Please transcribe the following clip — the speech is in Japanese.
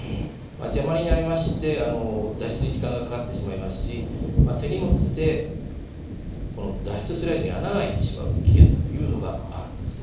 邪魔になりまして脱出に時間がかかってしまいますし手荷物でこの脱出スライドに穴があいてしまう危険というのがあるんですね。